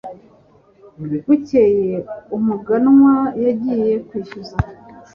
bukeye, umuganwa yagiye kwishyuza